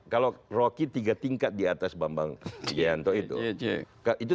kalau rocky tiga tingkat di atas bambang itu